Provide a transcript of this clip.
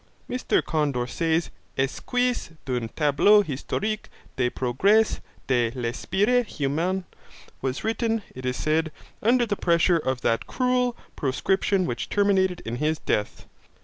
Mr Condorcet's Esquisse d'un Tableau Historique des Progres de l'Esprit Humain, was written, it is said, under the pressure of that cruel proscription which terminated in his death.